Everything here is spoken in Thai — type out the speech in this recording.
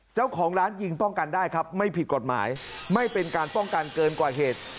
เจ้าของร้านยิงป้องกันได้ครับไม่ผิดกฎหมายไม่เป็นการป้องกันเกินกว่าเหตุ